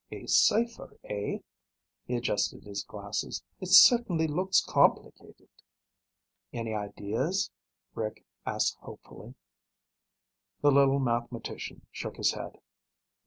"A cipher, eh?" He adjusted his glasses. "It certainly looks complicated." "Any ideas?" Rick asked hopefully. The little mathematician shook his head.